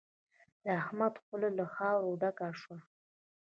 د احمد خوله له خاورو ډکه شوه.